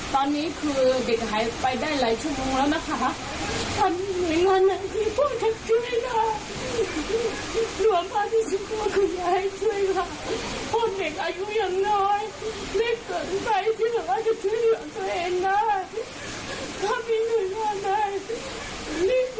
ตอนนี้คือเด็กหายไปได้หลายชั่วโมงแล้วนะคะ